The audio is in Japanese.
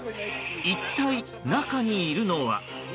一体、中にいるのは？